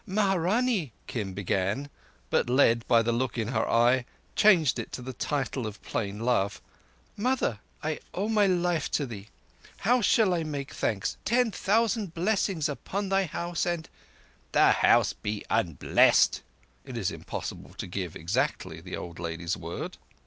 "Maharanee," Kim began, but led by the look in her eye, changed it to the title of plain love—"Mother, I owe my life to thee. How shall I make thanks? Ten thousand blessings upon thy house and—" "The house be unblessed!" (It is impossible to give exactly the old lady's word.)